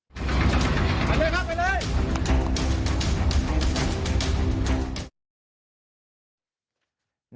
กันไว้หน่อย